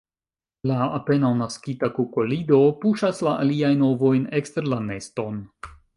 La apenaŭ naskita kukolido puŝas la aliajn ovojn ekster la neston.